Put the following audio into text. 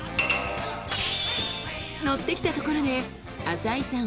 のってきたところで朝井さん